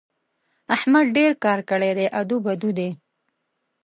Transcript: احمد ډېر کار کړی دی؛ ادو بدو دی.